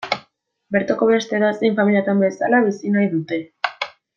Bertoko beste edozein familiatan bezala bizi nahi dute.